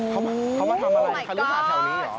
เขามาทำอะไรคลือหาดแถวนี้เหรอ